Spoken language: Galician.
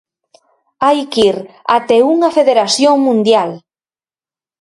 Hai que ir até unha federación mundial.